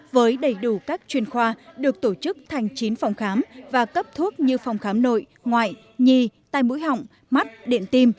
với đầy đủ các chuyên khoa được tổ chức thành chín phòng khám và cấp thuốc như phòng khám nội ngoại nhì tay mũi hỏng mắt điện tim